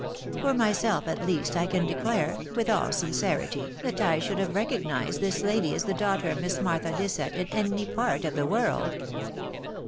For myself, at least, I can declare, with all sincerity, that I should have recognised this lady as the daughter of Miss Martha Disett in any part of the world."